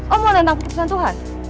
om mau nantang perkembangan tuhan